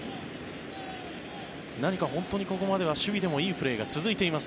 何か本当にここまでは守備でもいいプレーが続いています